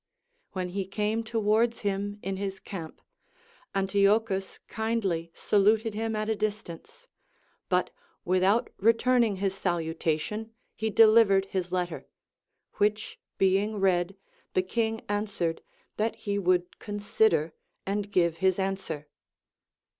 AVhen he came towards him in his camp, Antiochus kindly sahited him at a distance, but witliout returning his salutation he delivered his letter ; which being read, the king answered, that he would consider, and give his answer.